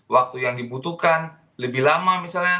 waktu yang dibutuhkan lebih lama misalnya